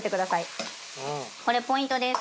これポイントです。